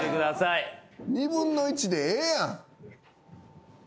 ２分の１でええやん。